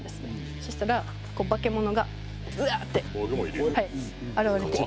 そしたら化け物がウワーって現れて。